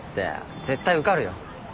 絶対受かるよ。